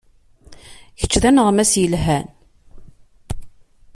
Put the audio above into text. Kečč d aneɣmas yelhan.